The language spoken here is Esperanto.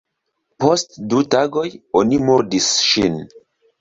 Post du tagoj, oni murdis ŝin.